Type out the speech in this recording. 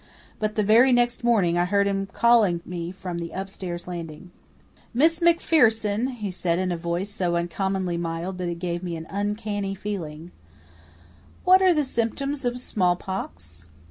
But the very next morning I heard him calling me from the upstairs landing. "Miss MacPherson," he said in a voice so uncommonly mild that it gave me an uncanny feeling, "what are the symptoms of smallpox?"